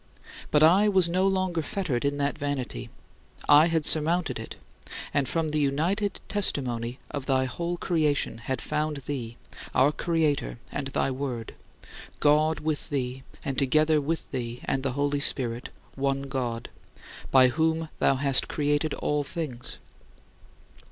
But I was no longer fettered in that vanity. I had surmounted it, and from the united testimony of thy whole creation had found thee, our Creator, and thy Word God with thee, and together with thee and the Holy Spirit, one God by whom thou hast created all things.